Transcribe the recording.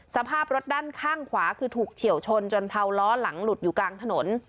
สภาพรถด้านข้างขวาคือถูกเฉียวชนจนเผาล้อหลังหลุดอยู่กลางถนน